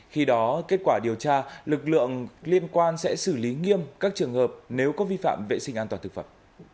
khi đó kết quả điều tra lực lượng liên quan sẽ xử lý nghiêm các trường hợp nếu có vi phạm vệ sinh an toàn thực phẩm